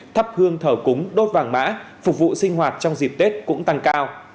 thắp hương thờ cúng đốt vàng mã phục vụ sinh hoạt trong dịp tết cũng tăng cao